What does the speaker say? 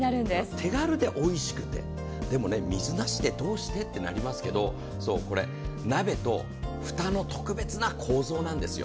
手軽でおいしくて、水なしでどうしてってなりますけど、これ鍋と蓋の特別な構造なんですよ。